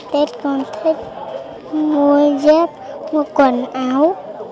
tết con thích mua dép mua quần áo